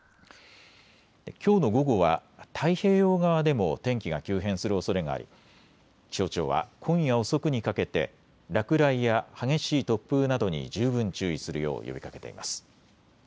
きょうの午後は太平洋側でも天気が急変するおそれがあり気象庁は今夜遅くにかけて落雷や激しい突風などに十分注意するよう呼びかけています。